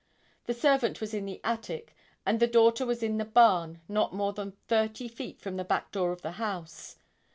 The servant was in the attic, and the daughter was in the barn not more than thirty feet from the back door of the house.